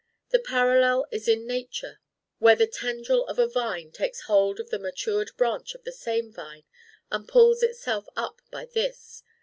The parallel is in Nature where the tendril of a vine takes hold of the matured branch of the same vine and pulls itself up by this.